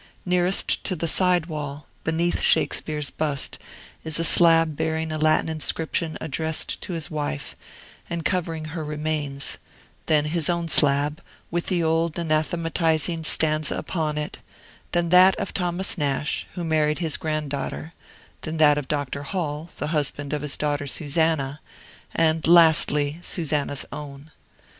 Nearest to the side wall, beneath Shakespeare's bust, is a slab bearing a Latin inscription addressed to his wife, and covering her remains; then his own slab, with the old anathematizing stanza upon it; then that of Thomas Nash, who married his granddaughter; then that of Dr. Hall, the husband of his daughter Susannah; and, lastly, Susannah's own.